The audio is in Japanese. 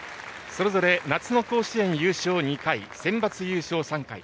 それぞれ夏の甲子園優勝２回センバツ優勝３回。